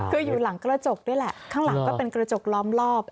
คืออยู่หลังกระจกด้วยแหละข้างหลังก็เป็นกระจกล้อมรอบ